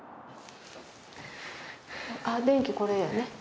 あ電気これやね。